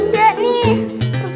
nah biar lentur dikit